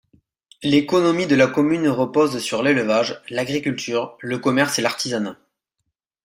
L'économie de la commune repose sur l'élevage, l'agriculture, le commerce et l'artisanat.